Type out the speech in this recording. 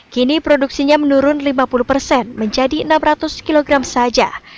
kini produksinya menurun lima puluh persen menjadi enam ratus kilogram saja